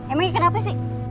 emang ini kenapa sih